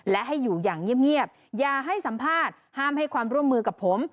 และให้อยู่อย่างเงียบอย่าให้สัมภาษณ์ห้ามให้ความร่วมมือกับผม